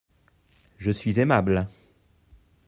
Je suis aimable.